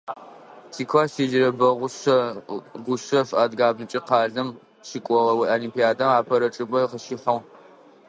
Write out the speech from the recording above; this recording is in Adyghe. Тикласс щеджэрэ Бэгъушъэ Гушъэф адыгабзэмкӀэ къалэм щыкӀогъэ олимпиадэм апэрэ чӀыпӀэр къыщихьыгъ.